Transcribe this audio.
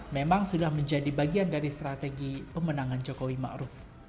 memang sudah menjadi bagian dari strategi pemenangan jokowi ma'ruf